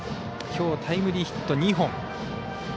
きょう、タイムリーヒット２本。